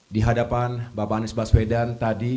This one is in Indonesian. di hadapan bapak anies baswedan tadi